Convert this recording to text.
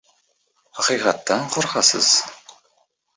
Haqiqatdan qo‘rqasiz!